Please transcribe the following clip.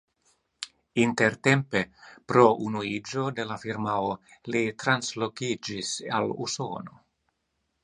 Intertempe pro unuiĝo de la firmao li translokiĝis al Usono.